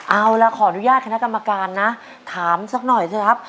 เอาล่ะขออนุญาตคณะกรรมการนะถามสักหน่อยสิครับ